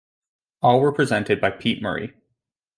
All were presented by Pete Murray.